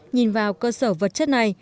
nhìn vào cơ sở vật chất này